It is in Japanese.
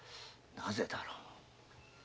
なぜだろう。